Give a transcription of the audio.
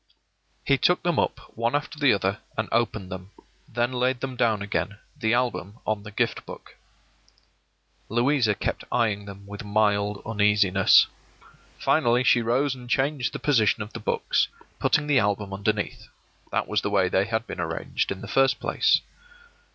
He took them up one after the other and opened them; then laid them down again, the album on the Gift Book. Louisa kept eying them with mild uneasiness. Finally she rose and changed the position of the books, putting the album underneath. That was the way they had been arranged in the first place.